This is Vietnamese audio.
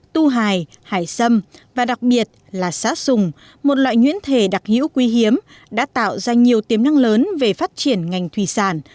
tu hải hải sâm và đặc biệt là xã sùng một loại nhuyễn thể đặc hữu quý hiếm đã tạo ra nhiều tiềm năng lớn về phát triển ngành thủy sản